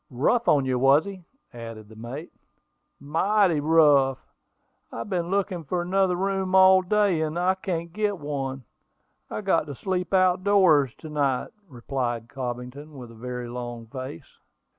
"Rough on you, was he?" added the mate. "Mighty rough! I have been looking for another room all day, and I can't get one. I've got to sleep out doors to night," replied Cobbington, with a very long face.